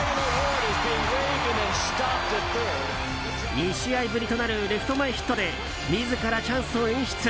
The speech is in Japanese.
２試合ぶりとなるレフト前ヒットで自らチャンスを演出。